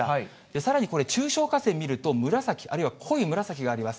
さらに、これ、中小河川見ると紫、あるいは濃い紫があります。